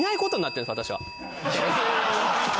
私は。